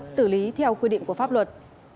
xử lý theo quy định của pháp luật